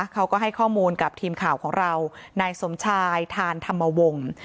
เขาก็ให้ข้อมูลกับทีมข่าวของเรานายสมชายทานธรรมวงศ์